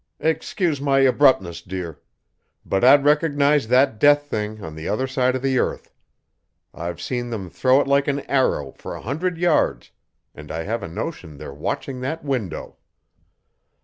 "Excuse my abruptness, dear. But I'd recognize that death thing on the other side of the earth. I've seen them throw it like an arrow for a hundred yards and I have a notion they're watching that window!"